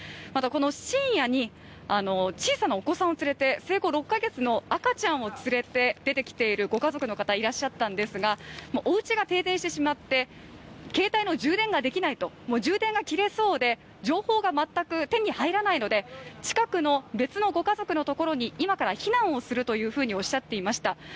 またこの深夜に小さなお子さんを連れて生後６ヶ月の赤ちゃんを連れて出てきているご家族の方いらっしゃったんですが、お家が停電してしまって携帯の充電ができないと、もう充電が切れそうで、情報が全く手に入らないので近くの別のご家族のところに、今から避難をするというふうにおっしゃっていました。